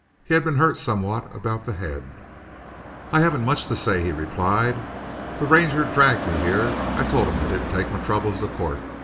He had been hurt somewhat about the head. "I haven't much to say," he replied. "The Ranger dragged me here. I told him I didn't take my troubles to court.